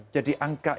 jadi angka itu